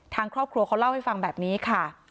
ทางครอบครัวเขาเล่าให้ฟังแบบนี้ค่ะ